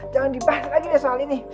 jangan dibahas lagi deh soal ini